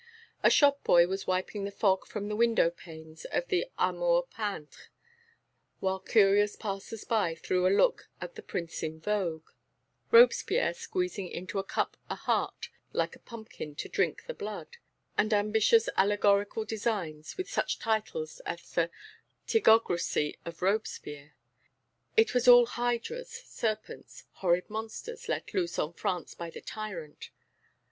A shop boy was wiping the fog from the window panes of the Amour peintre, while curious passers by threw a look at the prints in vogue, Robespierre squeezing into a cup a heart like a pumpkin to drink the blood, and ambitious allegorical designs with such titles as the Tigrocracy of Robespierre; it was all hydras, serpents, horrid monsters let loose on France by the tyrant.